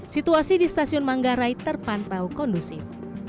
situasi di stasiun manggarai terpantau kondusif